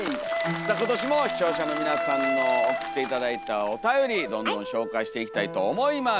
さあ今年も視聴者の皆さんの送って頂いたおたよりどんどん紹介していきたいと思います！